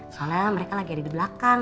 soalnya mereka lagi ada di belakang